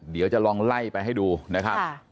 เดี๋ยวจะลองไล่ไปให้ดูนะครับ